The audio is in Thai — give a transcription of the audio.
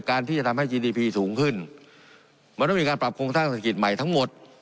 ที่จะทำให้จีนีพีสูงขึ้นมันต้องมีการปรับโครงสร้างเศรษฐกิจใหม่ทั้งหมด